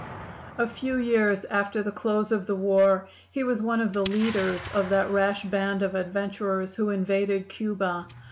"A few years after the close of the war he was one of the leaders of that rash band of adventurers who invaded Cuba.